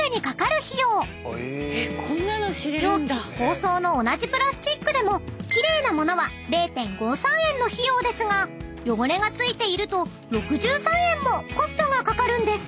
［容器包装の同じプラスチックでも奇麗な物は０．５３円の費用ですが汚れが付いていると６３円もコストがかかるんです］